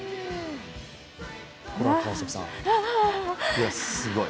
いや、すごい。